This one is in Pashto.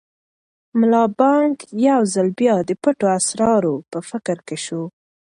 ملا بانګ یو ځل بیا د پټو اسرارو په فکر کې شو.